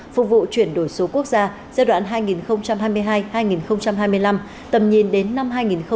phục vụ chuyển đổi số quốc gia giai đoạn hai nghìn hai mươi hai hai nghìn hai mươi năm tầm nhìn đến năm hai nghìn ba mươi